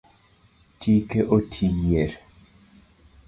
Tike oti yier